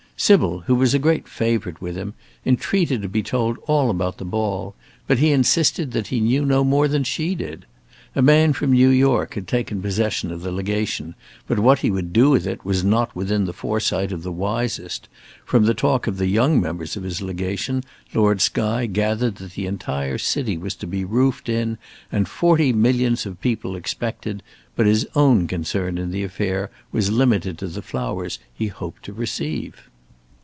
Sybil, who was a great favourite with him, entreated to be told all about the ball, but he insisted that he knew no more than she did. A man from New York had taken possession of the Legation, but what he would do with it was not within the foresight of the wisest; trom the talk of the young members of his Legation, Lord Skye gathered that the entire city was to be roofed in and forty millions of people expected, but his own concern in the affair was limited to the flowers he hoped to receive.